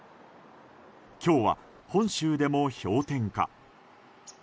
今日は本州でも氷点下。